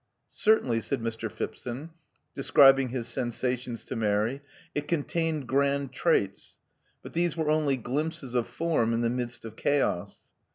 j '* Certainly," said Mr. Phipson, ^ describing his sensations to Mary, *4t contained grand traits. But these were only glimpses of form in the midst of chaos.